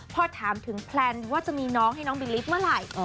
พอถามถึงแพลนว่าจะมีน้องให้น้องบิลลิฟต์เมื่อไหร่